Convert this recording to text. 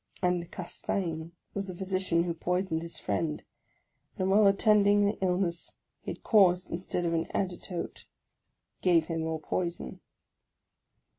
And Castaing was the physician who poisoned his friend; and while attending the illness he had caused, instead of an antidote, gave him more poison.